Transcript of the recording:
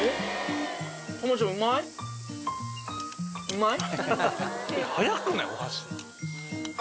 うまい？